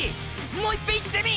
もういっぺん言ってみぃ！